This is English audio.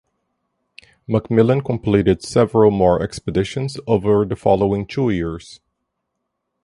McMillan completed several more expeditions over the following two years.